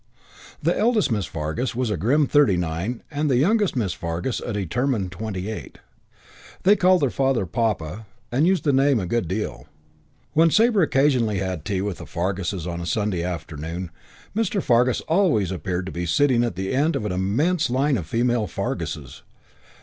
The eldest Miss Fargus was a grim thirty nine and the youngest Miss Fargus a determined twenty eight. They called their father "Papa" and used the name a good deal. When Sabre occasionally had tea at the Farguses' on a Sunday afternoon Mr. Fargus always appeared to be sitting at the end of an immense line of female Farguses.